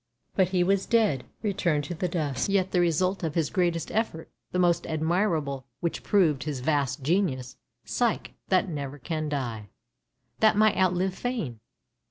But he was dead, returned to the dust. Yet the result of his greatest effort, the most admirable, which proved his vast genius — Psyche — that never can die; that might outlive fame.